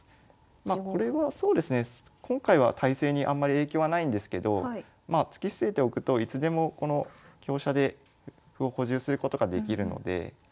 まこれはそうですね今回は態勢にあんまり影響はないんですけど突き捨てておくといつでもこの香車で歩を補充することができるので。